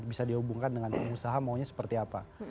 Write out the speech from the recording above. bisa dihubungkan dengan pengusaha maunya seperti apa